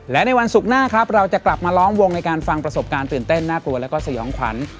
และในวันศุกร์หน้าครับเราจะกลับมาล้อมวงในการฟังประสบการณ์ตื่นเต้นน่ากลัวแล้วก็สยองขวัญ